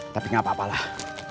tapi gak apa apalah